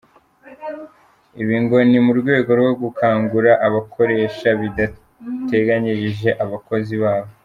Ibi ngo ni mu rwego rwo gukangura abakoresha badateganyiriza abakozi babo.